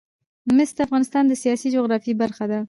مس د افغانستان د سیاسي جغرافیه برخه ده.